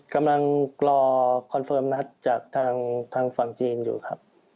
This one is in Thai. กำลังรอคอนเฟิร์มนัดจากทางฝั่งจีนอยู่ครับ